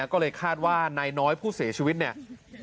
ก็เลยคาดว่านายน้อยผู้เสียชีวิตเนี่ย